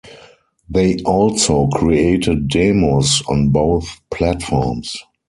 They also created demos on both platforms.